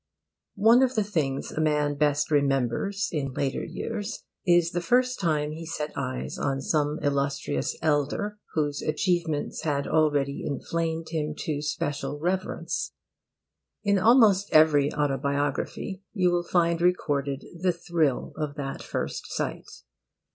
One of the things a man best remembers in later years is the first time he set eyes on some illustrious elder whose achievements had already inflamed him to special reverence. In almost every autobiography you will find recorded the thrill of that first sight.